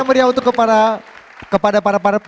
yang meriah untuk kepada